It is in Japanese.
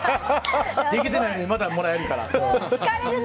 できてないのにまたもらえるから。